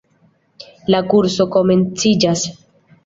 La kurso komenciĝas.